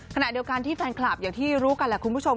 ขณะเดียวกันที่แฟนคลับอย่างที่รู้กันแหละคุณผู้ชม